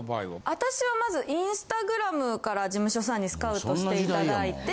私はまずインスタグラムから事務所さんにスカウトしていただいて。